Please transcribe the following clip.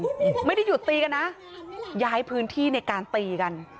โอ้โหไม่ได้หยุดตีกันนะย้ายพื้นที่ในการตีกัน